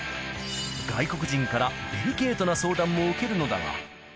外国人からデリケートな相談も受けるのだが。